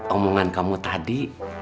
omongan kamu tadi